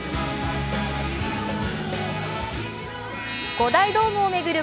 ５大ドームを巡る